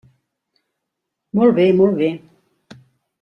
Molt bé, molt bé.